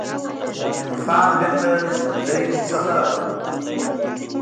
مومن خان بیرته ژوندی ورڅخه راووت.